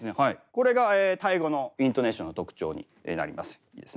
これがタイ語のイントネーションの特徴になります。